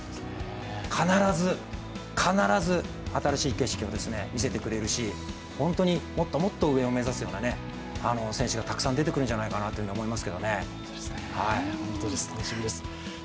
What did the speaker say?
必ず、必ず新しい景色を見せてくれるし本当にもっともっと上を目指すような選手がたくさん出てくるんじゃないかなと思います。